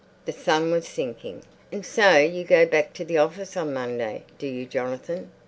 The sun was sinking. "And so you go back to the office on Monday, do you, Jonathan?"